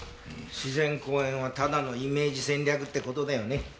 自然公園はただのイメージ戦略って事だよね。